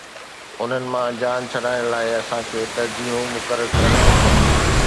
انهن مان جان ڇڏائڻ لاءِ اسان کي ترجيحون مقرر ڪرڻ گهرجن.